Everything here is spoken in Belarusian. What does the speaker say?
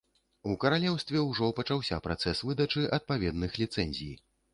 У каралеўстве ўжо пачаўся працэс выдачы адпаведных ліцэнзій.